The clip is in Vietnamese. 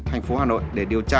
thành phố hà nội để điều tra